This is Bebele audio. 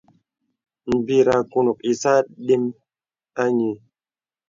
Mbir àkuŋ ìsə adəm anyì.